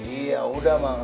gak ada yang mau